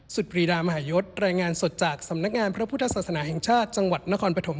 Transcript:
ปรีดามหายศรายงานสดจากสำนักงานพระพุทธศาสนาแห่งชาติจังหวัดนครปฐม